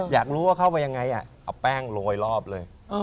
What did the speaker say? อยากรู้ว่าเข้าไปยังไงเอาแป้งโรยรอบเลย